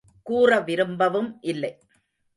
கூற விரும்பவும் இல்லை.